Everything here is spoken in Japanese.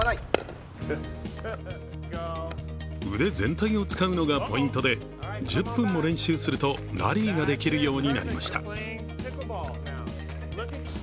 腕全体を使うのがポイントで１０分も練習するとラリーができるようになりました。